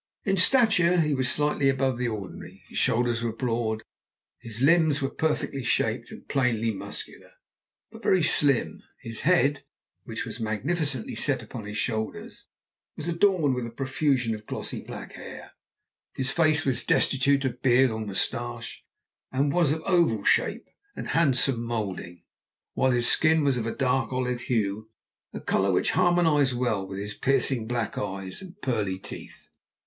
In stature he was slightly above the ordinary, his shoulders were broad, his limbs perfectly shaped and plainly muscular, but very slim. His head, which was magnificently set upon his shoulders, was adorned with a profusion of glossy black hair; his face was destitute of beard or moustache, and was of oval shape and handsome moulding; while his skin was of a dark olive hue, a colour which harmonized well with his piercing black eyes and pearly teeth.